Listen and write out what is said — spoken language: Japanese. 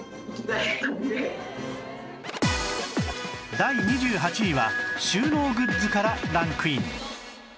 第２８位は収納グッズからランクイン